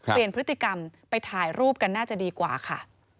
เปลี่ยนพฤติกรรมไปถ่ายรูปกันน่าจะดีกว่าค่ะ